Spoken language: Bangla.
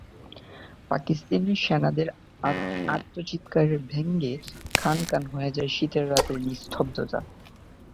পাকিস্তানি সেনাদের আর্তচিৎকারে ভেঙে খান খান হয়ে যায় শীতের রাতের নিস্তব্ধতা।